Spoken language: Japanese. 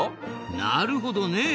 なるほどね。